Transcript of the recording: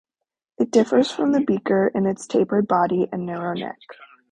It differs from the beaker in its tapered body and narrow neck.